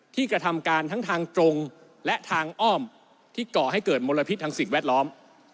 กระทำการทั้งทางตรงและทางอ้อมที่ก่อให้เกิดมลพิษทางสิ่งแวดล้อม